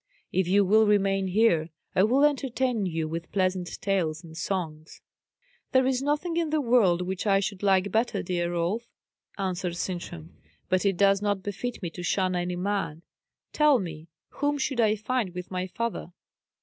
If you will remain here, I will entertain you with pleasant tales and songs." "There is nothing in the world which I should like better, dear Rolf," answered Sintram; "but it does not befit me to shun any man. Tell me, whom should I find with my father?"